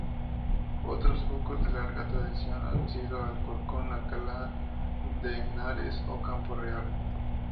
Otros focos de larga tradición han sido Alcorcón, Alcalá de Henares o Campo Real.